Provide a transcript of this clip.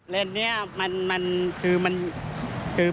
เล่นเนี่ยมันมันคือ